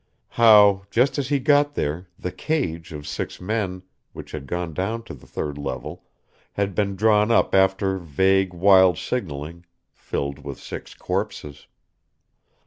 How, just as he got there, the cage of six men, which had gone to the third level, had been drawn up after vague, wild signalling, filled with six corpses.